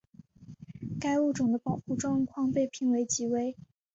该物种的保护状况被评为极危。